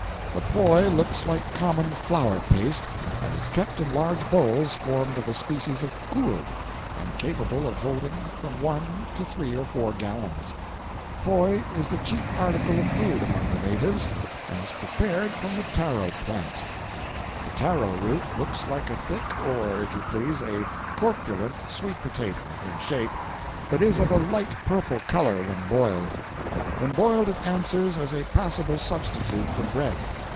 The poi looks like common flour paste, and is kept in large bowls formed of a species of gourd, and capable of holding from one to three or four gallons. Poi is the chief article of food among the natives, and is prepared from the taro plant. 475.jpg (33K) The taro root looks like a thick, or, if you please, a corpulent sweet potato, in shape, but is of a light purple color when boiled. When boiled it answers as a passable substitute for bread.